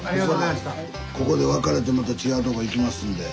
ここで別れてまた違うとこ行きますんで。